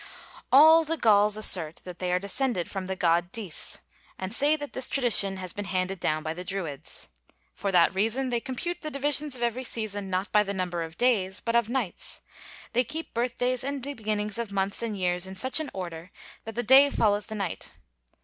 All the Gauls assert that they are descended from the god Dis, and say that this tradition has been handed down by the Druids. For that reason they compute the divisions of every season, not by the number of days, but of nights; they keep birthdays and the beginnings of months and years in such an order that the day follows the night.